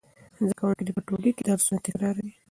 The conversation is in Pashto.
زده کوونکي په ټولګي کې درسونه تکراروي.